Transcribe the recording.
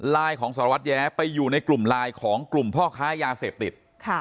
ของสารวัตรแย้ไปอยู่ในกลุ่มไลน์ของกลุ่มพ่อค้ายาเสพติด